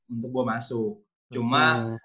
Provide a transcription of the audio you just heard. untuk gue masuk cuma